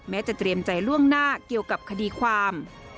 จะเตรียมใจล่วงหน้าเกี่ยวกับคดีความ